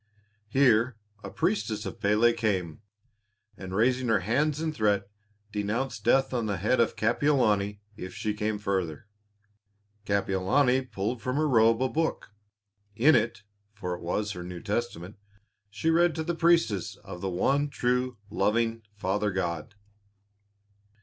Here, a priestess of Pélé came, and raising her hands in threat denounced death on the head of Kapiolani if she came further. Kapiolani pulled from her robe a book. In it for it was her New Testament she read to the priestess of the one true, loving Father God.